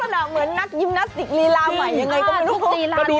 ลักษณะเหมือนนักยิมนัสสิกรีลาใหม่ยังไงก็ไม่รู้